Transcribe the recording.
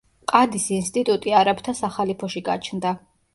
ყადის ინსტიტუტი არაბთა სახალიფოში გაჩნდა.